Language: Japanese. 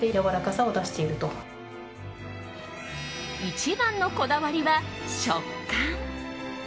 一番のこだわりは、食感。